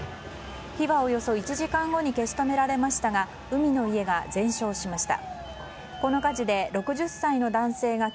火はおよそ１時間後に消し止められましたが海の家が全焼しました。